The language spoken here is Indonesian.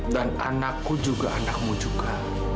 dan anakku juga anakmu juga